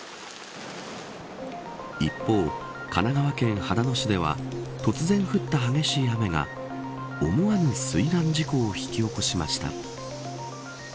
一方、神奈川県秦野市では突然降った激しい雨が思わぬ水難事故を引き起こしました。